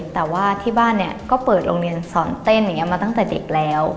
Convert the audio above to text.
แต่ว่าที่บ้านเนี่ยก็เปิดโรงเรียนสอนเต้นอย่างนี้มาตั้งแต่เด็กแล้ว